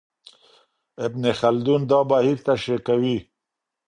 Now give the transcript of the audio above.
ابن خلدون دا بهير تشريح کوي.